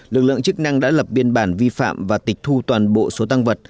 lực lượng chức năng đã lập biên bản vi phạm và tịch thu toàn bộ số tăng vật